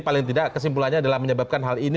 paling tidak kesimpulannya adalah menyebabkan hal ini